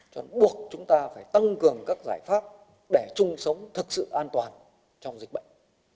cho nên buộc chúng ta phải tăng cường các giải pháp để chung sống thực sự an toàn trong dịch bệnh